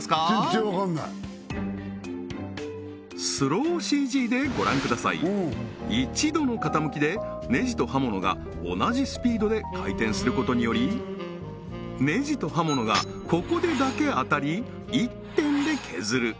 全然わかんないスローＣＧでご覧ください１度の傾きでネジと刃物が同じスピードで回転することによりネジと刃物がここでだけ当たり１点で削る